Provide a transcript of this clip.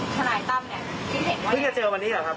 ทนายตั้มเนี่ยคิดเห็นว่าเพิ่งจะเจอวันนี้เหรอครับ